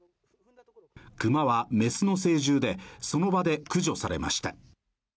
熊は雌の成獣で、その場で駆除されました。